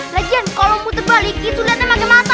lagian kalo puter balik itu liatnya bagai mata